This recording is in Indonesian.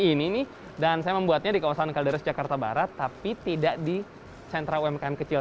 ini nih dan saya membuatnya di kawasan kalideres jakarta barat tapi tidak di sentra umkm kecil